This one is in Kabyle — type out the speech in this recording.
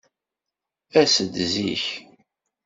As-d zik.